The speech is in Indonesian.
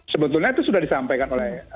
sebetulnya itu sudah disampaikan oleh